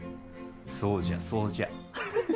そうじゃ、そうじゃ。